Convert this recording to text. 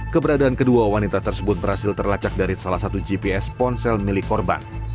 keberadaan kedua wanita tersebut berhasil terlacak dari salah satu gps ponsel milik korban